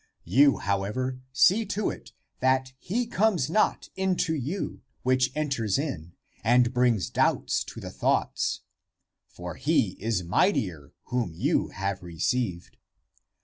You, how ever, see to it that he comes not into you which en ters in and brings doubts to the thoughts. For he is mightier whom you have received.